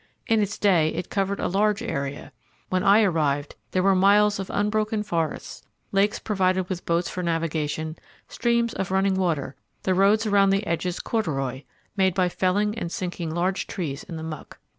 In its day it covered a large area. When I arrived; there were miles of unbroken forest, lakes provided with boats for navigation, streams of running water, the roads around the edges corduroy, made by felling and sinking large trees in the muck.